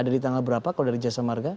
ada di tanggal berapa kalau dari jasa marga